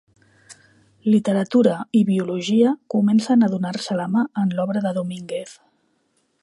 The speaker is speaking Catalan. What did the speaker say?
Literatura i biologia comencen a donar-se la mà en l'obra de Domínguez.